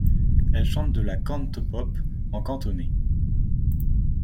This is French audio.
Elle chante de la cantopop en cantonais.